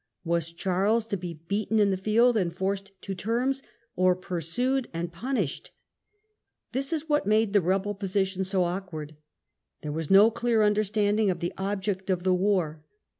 Was Charles to be beaten in the field and forced to terms, or pursued and punished? This is what made the rebel position so awkward. There was no clear understanding of the object of the war.